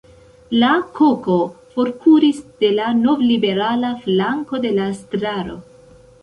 La koko forkuris de la novliberala flanko de la strato.